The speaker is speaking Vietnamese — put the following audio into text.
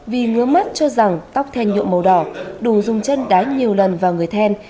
vì ngứa mất cho rằng tóc then nhộn màu đỏ đù dùng chân đái nhiều lần vào người then